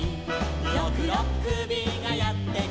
「ろくろっくびがやってきた」